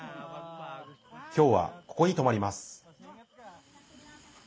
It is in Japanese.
きょうは、ここに泊まります。